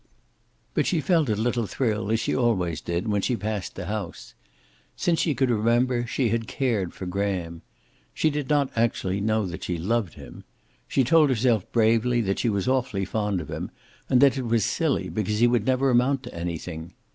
But she felt a little thrill, as she always did, when she passed the house. Since she could remember she had cared for Graham. She did not actually know that she loved him. She told herself bravely that she was awfully fond of him, and that it was silly, because he never would amount to anything.